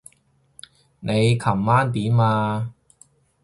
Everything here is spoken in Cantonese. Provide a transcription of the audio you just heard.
你琴晚點啊？